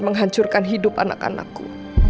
menghancurkan hidup anak anakku